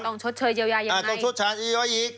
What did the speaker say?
ต้องชดเชยเยียวยังไงต้องชดเชยเยียวยอีก